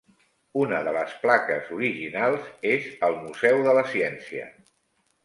Una de les plaques originals és al Museu de la Ciència.